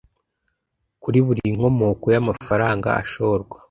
Kuri buri nkomoko y amafaranga ashorwa